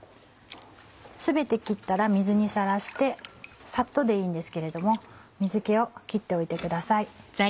全て切ったら水にさらしてさっとでいいんですけれども水気を切っておいてください。